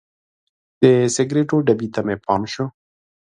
د سګریټو ډبي ته مې پام شو.